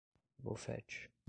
Bofete